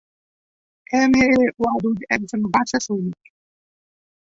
M A Wadud একজন ভাষা সৈনিক।